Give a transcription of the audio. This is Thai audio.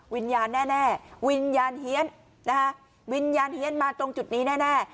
วิญญาณแน่วิญญาณเฮียนนะคะวิญญาณเฮียนมาตรงจุดนี้แน่